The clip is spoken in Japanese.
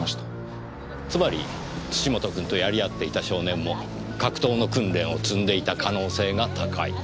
つまり土本君とやり合っていた少年も格闘の訓練を積んでいた可能性が高い。